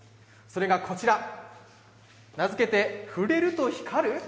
それがこちら名付けて「触れると光る！？